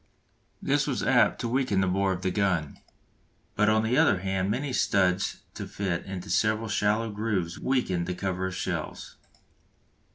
This was apt to weaken the bore of the gun; but on the other hand many studs to fit into several shallow grooves weakened the cover of the shells.